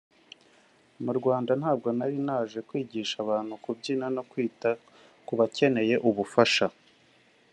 mu Rwanda nabwo nari naje kwigisha abantu kubyina no kwita ku bakeneye ubufasha